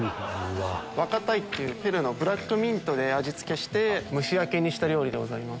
ワカタイってペルーのブラックミントで味付けして蒸し焼きにした料理でございます。